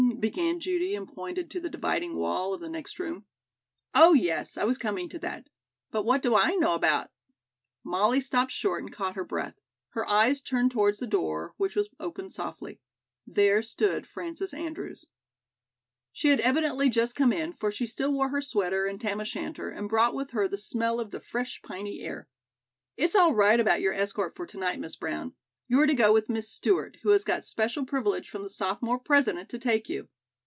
began Judy and pointed to the dividing wall of the next room. "Oh, yes, I was coming to that. But what do I know about " Mollie stopped short and caught her breath. Her eyes turned towards the door, which was opened softly. There stood Frances Andrews. She had evidently just come in, for she still wore her sweater and tam o' shanter, and brought with her the smell of the fresh piney air. "It's all right about your escort for to night, Miss Brown. You are to go with Miss Stewart, who has got special privilege from the sophomore president to take you.